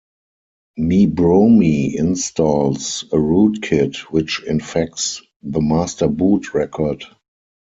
Mebromi installs a rootkit which infects the master boot record.